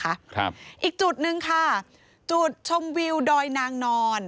ครับอีกจุดหนึ่งค่ะจุดชมวิวดอยนางนอน